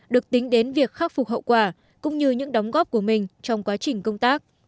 được tính đến việc khắc phục hậu quả cũng như những đóng góp của mình trong quá trình công tác